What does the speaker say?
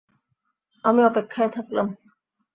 আমি অপেক্ষায় থাকলাম!